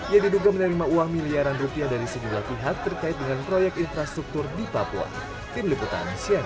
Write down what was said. yang diduga menerima uang miliaran rupiah dari sejumlah pihak terkait dengan proyek infrastruktur di papua